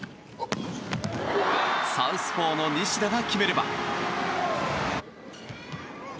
サウスポーの西田が決めれば。